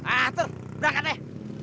atur berangkat deh